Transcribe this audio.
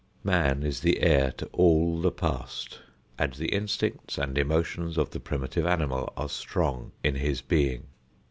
Man is the heir to all the past, and the instincts and emotions of the primitive animal are strong in his being.